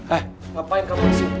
eh ngapain kamu disini